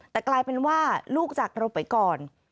แต่กลายเป็นว่าลูกจากเราไปก่อน